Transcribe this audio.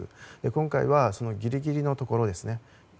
今回はぎりぎりのところですね。